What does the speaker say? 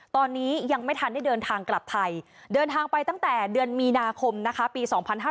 ตอนนี้ยังไม่ทันได้เดินทางกลับไทยเดินทางไปตั้งแต่เดือนมีนาคมนะคะปี๒๕๕๙